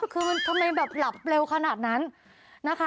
คือมันทำไมแบบหลับเร็วขนาดนั้นนะคะ